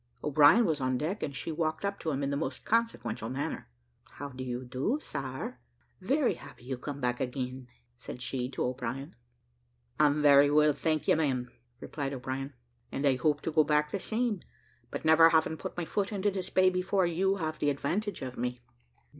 O'Brien was on deck, and she walked up to him in the most consequential manner. "How do you do, sar? Very happy you come back again," said she to O'Brien. "I'm very well, I thank you, ma'am," replied O'Brien, "and I hope to go back the same; but never having put my foot into this bay before, you have the advantage of me."